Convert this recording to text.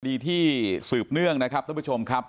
คดีที่สืบเนื่องนะครับท่านผู้ชมครับ